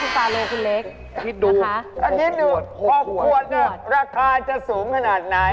คิดดูคิดดูของขวดน่ะราคาจะสูงขนาดไหนคิดดู